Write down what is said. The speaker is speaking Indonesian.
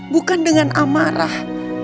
bukan dengan amarah